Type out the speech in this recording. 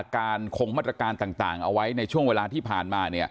คงมาตรการต่างเอาไว้ในช่วงเวลาที่ผ่านมา